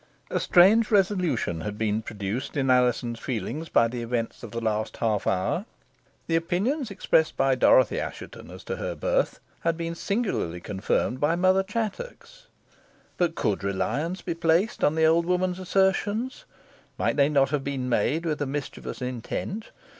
A strange revolution had been produced in Alizon's feelings by the events of the last half hour. The opinions expressed by Dorothy Assheton, as to her birth, had been singularly confirmed by Mother Chattox; but could reliance be placed on the old woman's assertions? Might they not have been made with mischievous intent?